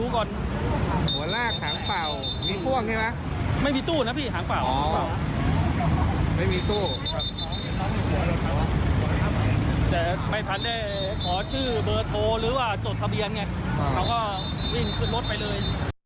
เขาก็ริ่งขึ้นรถไปเลย